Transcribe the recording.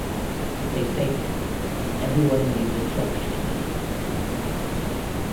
They stated, Everyone needs a Josh in their life.